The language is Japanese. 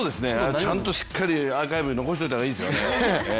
ちゃんとしっかりアーカイブに残しておいたほうがいいですよね。